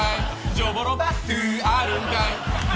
ジョボロビッチーあるんかい。